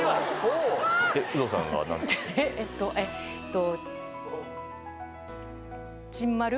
えっとえっと。